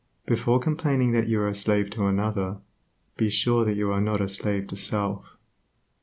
Before complaining that you are a slave to another, be sure that you are not a slave to self.